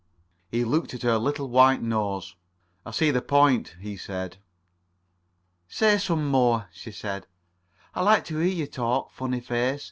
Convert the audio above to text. He looked at her little white nose. "I see the point," he said. "Say some more," she said, "I like to hear you talk, Funnyface.